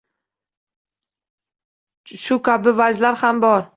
Shu kabi vajlar ham bor.